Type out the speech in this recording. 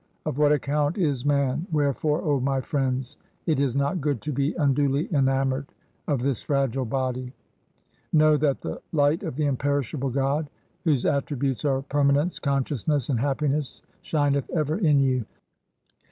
Of what account is man ? Wherefore, O my friends, it is not good to be unduly enamoured of this fragile body. Know that the light of the imperishable God whose attri LIFE OF GURU GOBIND SINGH 243 butes are permanence, consciousness, and happiness, shineth ever in you.